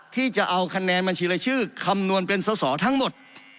ที่จะเอาคะแนนบัญชีรายชื่อคำนวณเป็นสอสอทั้งหมด